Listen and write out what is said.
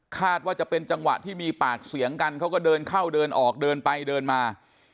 ว่าจะเป็นจังหวะที่มีปากเสียงกันเขาก็เดินเข้าเดินออกเดินไปเดินมา